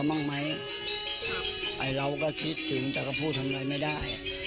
มันก็ไม่แน่อาจจะเจอกันก็ได้